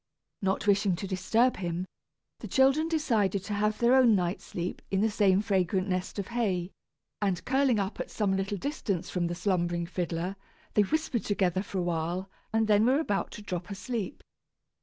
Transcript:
Not wishing to disturb him, the children decided to have their own night's sleep in the same fragrant nest of hay; and curling up at some little distance from the slumbering fiddler, they whispered together for a while, and then were about to drop asleep.